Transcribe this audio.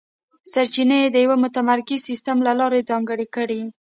سرچینې یې د یوه متمرکز سیستم له لارې ځانګړې کړې.